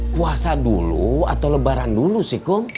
puasa dulu atau lebaran dulu sih kum